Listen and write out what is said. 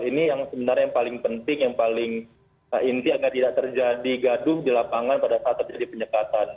ini yang sebenarnya yang paling penting yang paling inti agar tidak terjadi gaduh di lapangan pada saat terjadi penyekatan